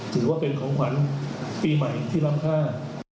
ถือว่าเป็นของขวัญปีใหม่ที่ล้ำค่า